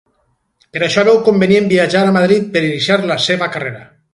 Per això veu convenient viatjar a Madrid per iniciar la seva carrera.